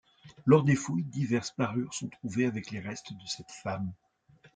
Lors des fouilles, diverses parures sont trouvées avec les restes de cette femme.